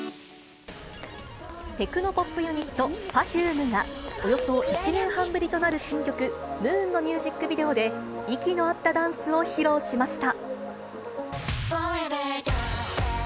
テクノポップユニット、Ｐｅｒｆｕｍｅが、およそ１年半ぶりとなる新曲、Ｍｏｏｎのミュージックビデオで、息の合ったダンスを披露しました。